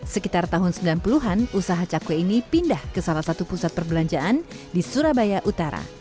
sekitar tahun sembilan puluh an usaha cakwe ini pindah ke salah satu pusat perbelanjaan di surabaya utara